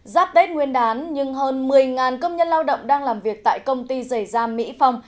giáp tết nguyên đán nhưng hơn một mươi công nhân lao động đang làm việc tại công ty dày da mỹ phong